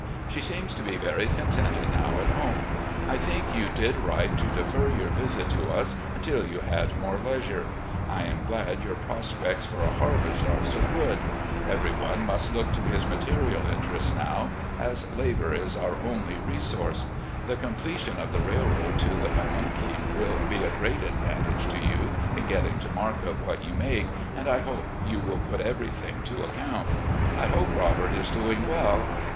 She seems to be very contented now at home. I think you did right to defer your visit to tis until you had more leisure. I am glad your pros pects for a harvest are so good. Every one must look AN IDEAL FATHER 261 to his material interests now, as labour is our only re source. The completion of the railroad to the Pamunkey will be a great advantage to you in getting to market what you make, and I hope you will put everjrthing to account. I hope Robert is doing well.